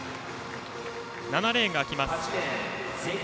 ７レーンが空きます。